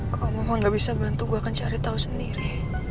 kalau mama gak bisa bantu gue akan cari tahu sendiri